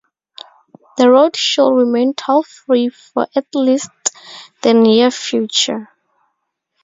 The road should remain toll-free for at least the near-future.